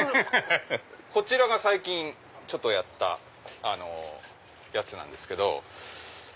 こちらが最近やったやつなんですけど。